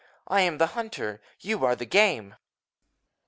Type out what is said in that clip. I am the hunter. You are the game.